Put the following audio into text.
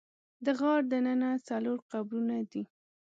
د غار دننه څلور قبرونه دي.